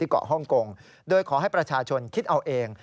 เกาะฮ่องกงโดยขอให้ประชาชนคิดเอาเอง